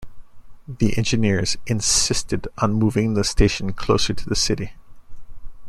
The engineers insisted on moving the station closer to the city.